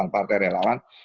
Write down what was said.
delapan partai relawan